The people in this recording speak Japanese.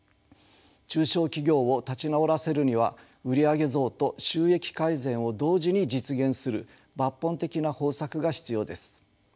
中小企業を立ち直らせるには売り上げ増と収益改善を同時に実現する抜本的な方策が必要です。